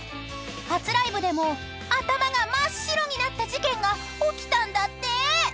［初ライブでも頭が真っ白になった事件が起きたんだって］